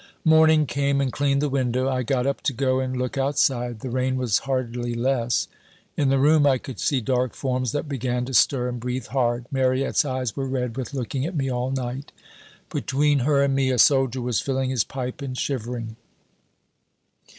"Morning came and cleaned the window. I got up to go and look outside. The rain was hardly less. In the room I could see dark forms that began to stir and breathe hard. Mariette's eyes were red with looking at me all night. Between her and me a soldier was filling his pipe and shivering.